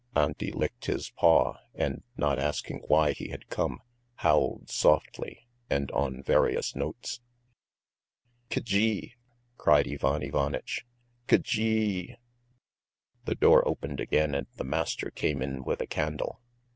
Auntie licked his paw, and not asking why he had come, howled softly and on various notes. "K gee!" cried Ivan Ivanitch, "K g ee!" The door opened again and the master came in with a candle.